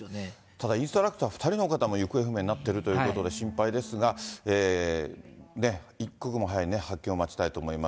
ただインストラクター２人の方も行方不明になってるということで心配ですが、一刻も早い発見を待ちたいと思います。